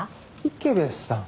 池部さん？